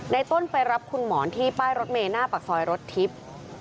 ต้นไปรับคุณหมอนที่ป้ายรถเมย์หน้าปากซอยรถทิพย์